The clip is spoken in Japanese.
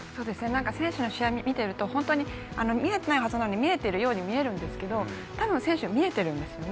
選手の試合を見ていると見えていないはずなのに見えているように見えるんですけど多分、選手は見えているんですね。